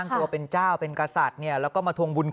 ก็เช็บครับ